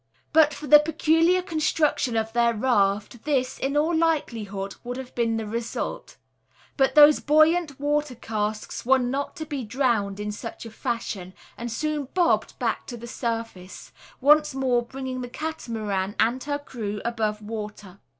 But for the peculiar construction of their raft this, in all likelihood, would have been the result; but those buoyant water casks were not to be "drowned" in such a fashion and soon "bobbed" back to the surface, once more bringing the Catamaran and her crew above water.